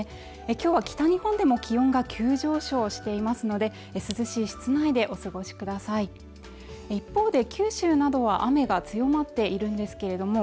きょうは北日本でも気温が急上昇していますので涼しい室内でお過ごしください一方で九州などは雨が強まっているんですけれどもね